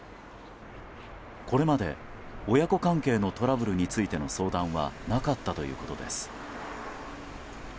これまで親子関係のトラブルについての相談はなかったということです。